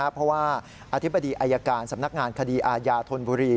เพราะว่าอธิบดีอายการสำนักงานคดีอาญาธนบุรี